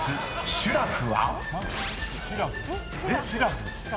シュラフ？